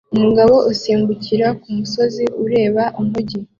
Umugabo usimbukira kumusozi ureba umujyi